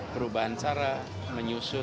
perubahan cara menyusun